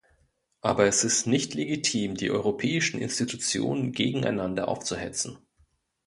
Aber es ist nicht legitim, die europäischen Institutionen gegeneinander aufzuhetzen.